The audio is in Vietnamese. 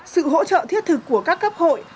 sự hỗ trợ thiết thực của các cấp hội